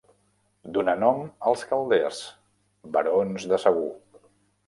Donà nom als Calders, barons de Segur.